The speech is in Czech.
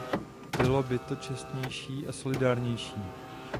Bylo by to čestnější a solidárnější.